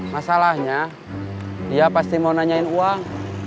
masalahnya dia pasti mau nanyain uang